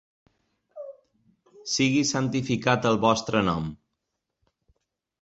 Sigui santificat el vostre nom.